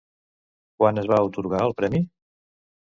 Quan es va atorgar el premi?